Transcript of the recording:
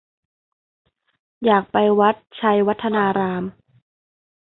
อยากไปวัดไชยวัฒนาราม